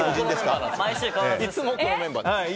いつも、このメンバーです。